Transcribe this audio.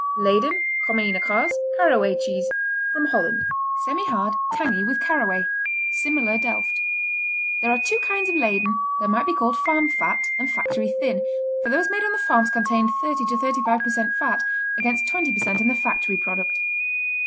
Leyden, Komijne Kaas, Caraway Cheese Holland Semihard, tangy with caraway. Similar Delft. There are two kinds of Leyden that might be called Farm Fat and Factory Thin, for those made on the farms contain 30 to 35% fat, against 20% in the factory product.